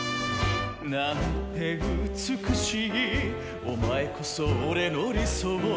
「なんて美しいお前こそ俺の理想」